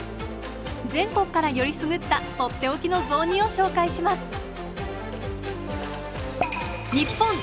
全国からよりすぐったとっておきの雑煮を紹介します。